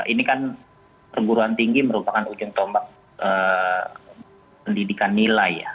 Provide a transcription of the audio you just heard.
ini kan perguruan tinggi merupakan ujung tombak pendidikan nilai ya